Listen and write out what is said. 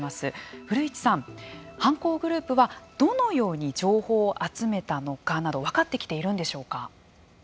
古市さん、犯行グループはどのように情報を集めたのかなど分かってきているんでしょうか。